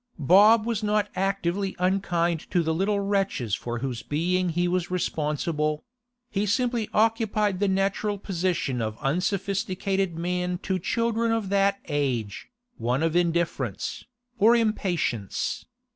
Bob was not actively unkind to the little wretches for whose being he was responsible; he simply occupied the natural position of unsophisticated man to children of that age, one of indifference, or impatience.